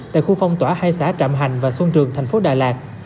tại khu phong tỏa hai xã trạm hành và xuân trường thành phố đà lạt